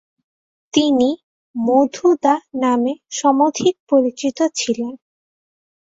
তিনি 'মধুদা' নামে সমধিক পরিচিত ছিলেন।